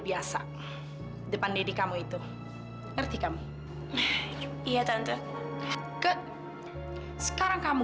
gak ada apa apa